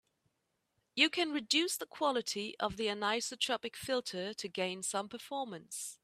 You can reduce the quality of the anisotropic filter to gain some performance.